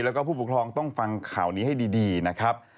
แล้วก็ผู้ปกครองต้องฟังข่าวนี้ให้ดีนะครับ